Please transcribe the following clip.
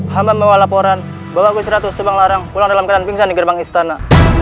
hama membawa laporan bahwa gusti ratu subang larang pulang dalam keadaan pingsan di gerbang istana